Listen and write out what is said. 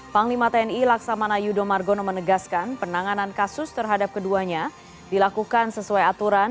panglima tni laksamana yudho margono menegaskan penanganan kasus terhadap keduanya dilakukan sesuai aturan